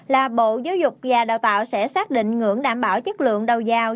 là bộ giáo dục và đào tạo sẽ xác định ngưỡng đảm bảo chất lượng đầu giàu